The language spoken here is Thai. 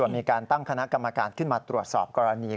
มีการตั้งคณะกรรมการขึ้นมาตรวจสอบกรณี